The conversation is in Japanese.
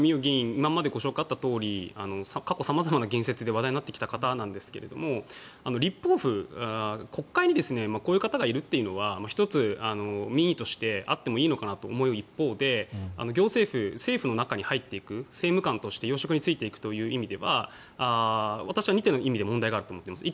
今までご紹介あったとおり過去、様々な言説で話題になってきた方なんですが立法府、国会にこういう方がいるというのは１つ、民意としてあってもいいのかなと思う一方で行政府、政府の中に入っていく政務官として要職に就いていくという意味では私は２点の意味で問題があると思っています。